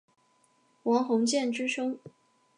王鸿渐之兄。